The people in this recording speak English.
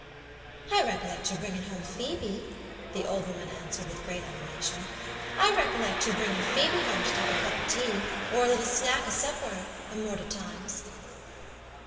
"I rek'lect your bringing home Phoebe," the old woman answered, with great animation. "I rek'lect your bringin' Phoebe home to take a cup o' tea, or a little snack o' supper, a mort o' times."